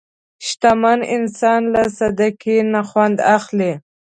شتمن انسان له صدقې نه خوند اخلي.